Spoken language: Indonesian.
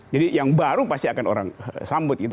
jadi yang baru pasti akan orang sambut gitu